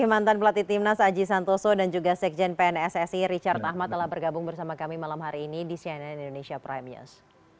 terima kasih pak timnas aji santoso dan juga sekjen pnssi richard ahmad telah bergabung bersama kami malam hari ini di cnn indonesia prime news